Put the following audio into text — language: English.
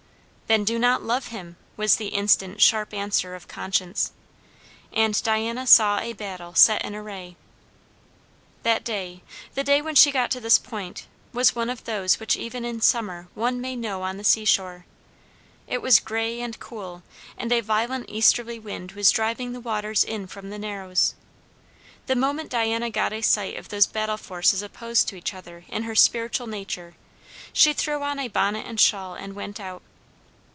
Then do not love him! was the instant sharp answer of conscience. And Diana saw a battle set in array. That day, the day when she got to this point, was one of those which even in summer one may know on the sea shore. It was grey and cool, and a violent easterly wind was driving the waters in from the Narrows. The moment Diana got a sight of those battle forces opposed to each other in her spiritual nature, she threw on bonnet and shawl and went out.